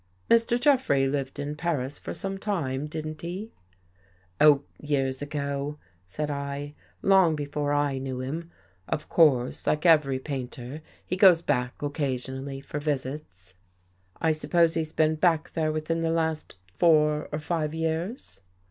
" Mr. Jeffrey lived in Paris for some time, didn't he?" " Oh, years ago," said I. " Long before I knew him. Of course, like every painter, he goes back occasionally for visits." " I suppose he's been back there within the last four or five years?